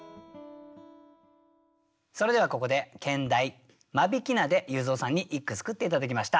それではここで兼題「間引菜」で裕三さんに一句作って頂きました。